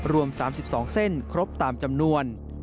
รวม๓๒เส้นครบตามจำนวน